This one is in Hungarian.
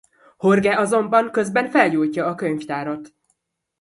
Jorge azonban közben felgyújtja a könyvtárat.